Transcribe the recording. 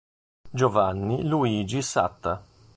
Giovanni Luigi Satta